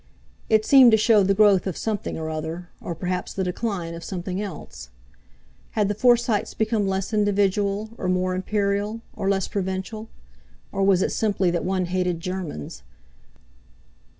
It seemed to show the growth of something or other—or perhaps the decline of something else. Had the Forsytes become less individual, or more Imperial, or less provincial? Or was it simply that one hated Germans?...